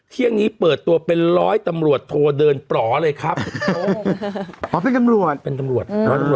เที่ยงนี้เปิดตัวเป็นร้อยตำรวจโทเดินปลอเลยครับอ๋อเป็นตำรวจเป็นตำรวจร้อยตำรวจ